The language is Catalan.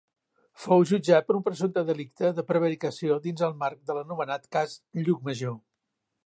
Fou jutjat per un presumpte delicte de prevaricació dins el marc de l'anomenat Cas Llucmajor.